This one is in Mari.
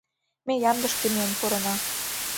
Ме ямдышке миен пурена.